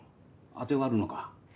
当てはあるのか？